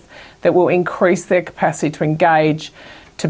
yang akan meningkatkan kapasitas mereka untuk